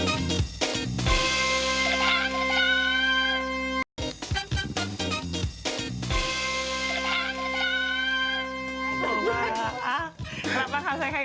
ด้าด้าด้าด้าด้ามากมายหลอด